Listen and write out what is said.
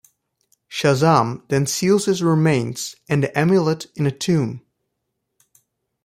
Shazam then seals his remains and the amulet in a tomb.